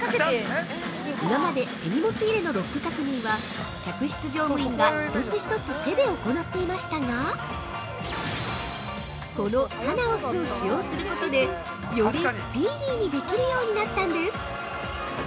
◆今まで、手荷物入れのロック確認は客室乗務員が一つ一つ手で行っていましたがこのＴａｎａＯＳを使用することでよりスピーディーにできるようになったんです。